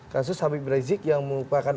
kasus habib rizik yang merupakan